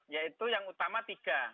yaitu yang utama tiga